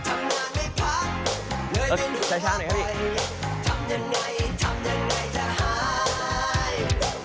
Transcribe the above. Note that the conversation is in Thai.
โอเคช้าหน่อย